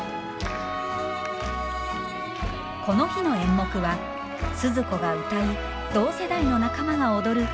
この日の演目はスズ子が歌い同世代の仲間が踊る「恋のステップ」。